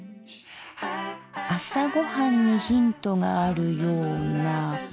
朝ごはんにヒントがあるような。